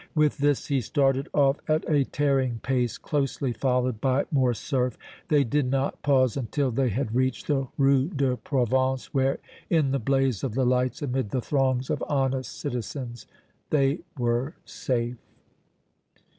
With this he started off at a tearing pace, closely followed by Morcerf. They did not pause until they had reached the Rue de Provence, where, in the blaze of the lights, amid the throngs of honest citizens, they were safe.